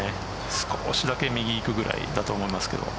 少しだけ右にいくくらいだと思いますけど。